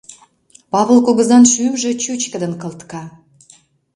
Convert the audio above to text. Павыл кугызан шӱмжӧ чӱчкыдын кылтка.